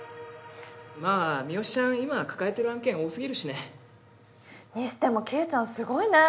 まあ三好ちゃん今抱えてる案件多すぎるしね。にしても希恵ちゃんすごいねぇ。